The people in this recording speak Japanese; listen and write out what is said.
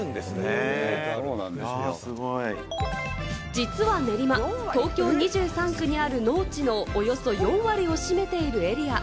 実は練馬、東京２３区にある農地のおよそ４割を占めているエリア。